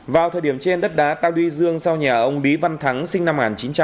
vào thời điểm trên đất đá cao đi dương sau nhà ông lý văn thắng sinh năm một nghìn chín trăm sáu mươi hai